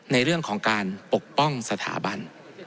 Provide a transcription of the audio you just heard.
ในเรื่องของการปกป้องสถาบัน